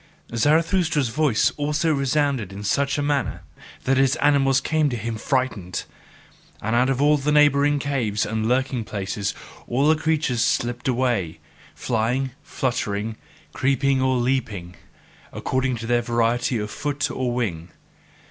Zarathustra's voice also resounded in such a manner that his animals came to him frightened, and out of all the neighbouring caves and lurking places all the creatures slipped away flying, fluttering, creeping or leaping, according to their variety of foot or wing.